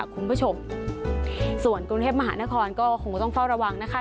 คุณผู้ชมส่วนกรุงเทพมหานครก็คงต้องเฝ้าระวังนะคะ